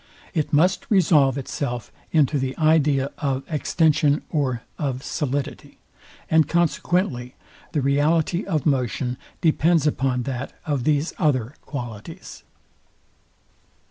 It must resolve itself into the idea of extension or of solidity; and consequently the reality of motion depends upon that of these other qualities.